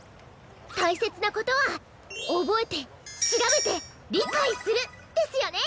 たいせつなことはおぼえてしらべてりかいする。ですよね！